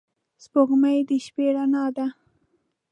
• سپوږمۍ د شپې رڼا ده.